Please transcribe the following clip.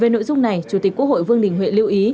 về nội dung này chủ tịch quốc hội vương đình huệ lưu ý